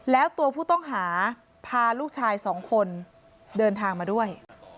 แล้วตัวผู้ต้องหาพาลูกชายสองคนเดินทางมาด้วย